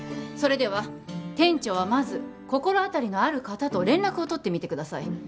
それでは店長はまず心当たりのある方と連絡を取ってみてください